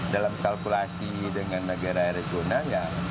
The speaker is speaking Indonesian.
dalam kalkulasi dengan negara regional ya